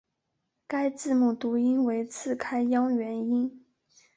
该字母读音为次开央元音。